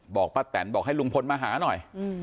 ป้าแตนบอกให้ลุงพลมาหาหน่อย